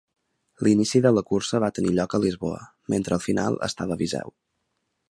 L'inici de la cursa va tenir lloc a Lisboa, mentre el final estava a Viseu.